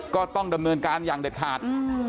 ก็ต้องดำเนินการอย่างเด็ดขาด